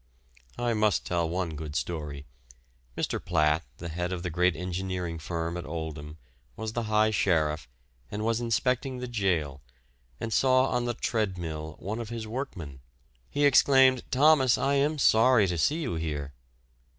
I must tell one good story. Mr. Platt, the head of the great engineering firm at Oldham, was the High Sheriff, and was inspecting the jail, and saw on the "treadmill" one of his workmen; he exclaimed, "Thomas, I am sorry to see you here."